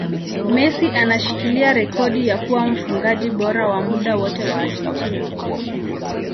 Messi anashikilia rekodi ya kuwa mfungaji bora wa muda wote wa Argentina